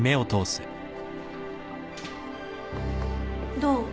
・どう？